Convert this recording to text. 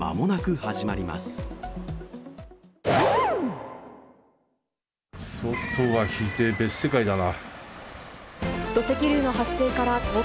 外はひどい、別世界だな。